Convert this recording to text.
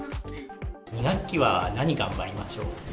２学期は何、頑張りましょう？